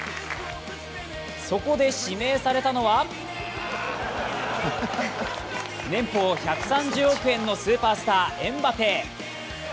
そこで指名されたのは年俸１３０億円のスーパースター、エムバペ。